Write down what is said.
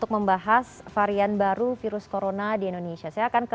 kalau kita bisa